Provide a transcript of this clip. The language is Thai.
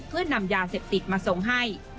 เพื่อนำยาเสพติดมาส่งให้